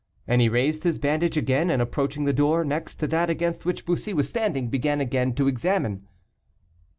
And he raised his bandage again, and, approaching the door next to that against which Bussy was standing, began again to examine.